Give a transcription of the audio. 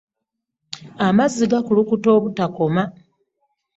Amazzi gakulukuta obutakoma.